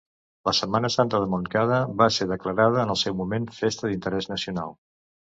La Setmana Santa de Montcada va ser declarada en el seu moment festa d'interès nacional.